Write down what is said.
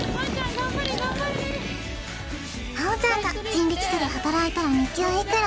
頑張れ頑張れ真央ちゃんが人力車で働いたら日給いくら？